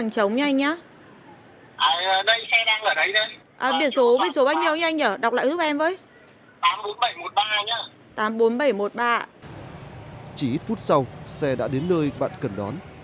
chỉ ít phút sau xe đã đến nơi bạn cần đón